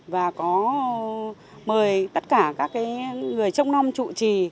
và có mời tất cả các cái người trông non trụ trì